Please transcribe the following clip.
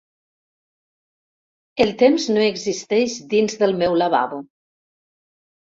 El temps no existeix dins del meu lavabo.